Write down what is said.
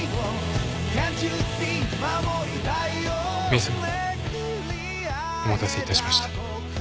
メイさまお待たせいたしました。